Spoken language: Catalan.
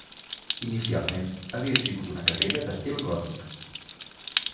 Inicialment havia sigut una capella d'estil gòtic.